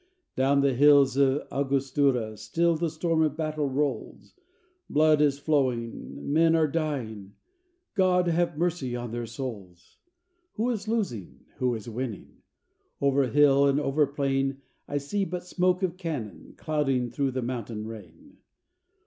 "Down the hills of Augostura still the storm of battle rolls; Blood is flowing, men are dying; God have mercy on their souls!" Who is losing? Who is winning? "over hill and over plain, I see but smoke of cannon, clouding through the mountain rain."